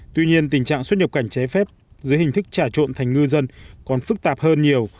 tuy nhiên tình trạng xuất nhập cảnh trái phép dưới hình thức trả trộn thành ngư dân còn phức tạp hơn nhiều